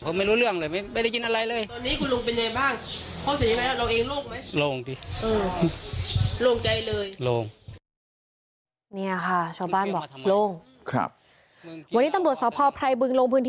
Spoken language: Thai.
ผมไม่รู้เรื่องเลยไม่ได้กินอะไรเลย